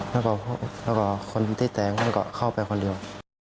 แล้วก็คนที่แทงก็เข้าไปคนเดียว